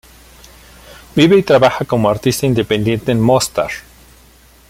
Vive y trabaja como artista independiente en Mostar.